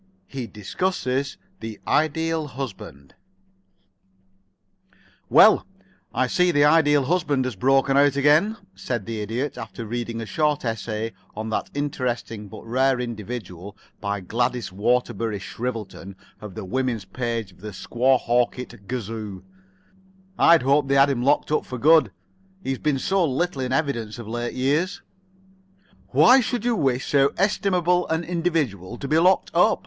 II HE DISCUSSES THE IDEAL HUSBAND "Well, I see the Ideal Husband has broken out again," said the Idiot, after reading a short essay on that interesting but rare individual by Gladys Waterbury Shrivelton of the Woman's Page of the Squehawkett Gazoo. "I'd hoped they had him locked up for good, he's been so little in evidence of late years." "Why should you wish so estimable an individual to be locked up?"